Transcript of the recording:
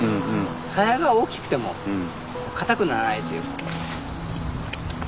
サヤが大きくても固くならないというか。